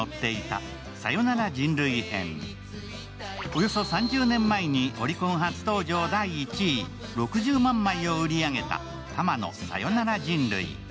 およそ３０年前にオリコン初登場第１位、６０万枚を売り上げた、たまの「さよなら人類」。